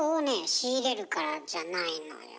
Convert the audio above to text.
仕入れるからじゃないのよ。